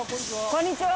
こんにちは。